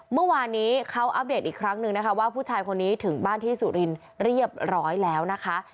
เมื่อวานนี้เขาอัปเดตอีกครั้งหนึ่งนะคะว่าผู้ชายคนนี้ถึงบ้านที่สุรินทร์เรียบร้อยแล้วนะคะ